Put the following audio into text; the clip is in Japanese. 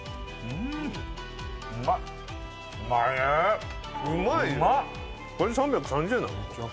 うまいよ！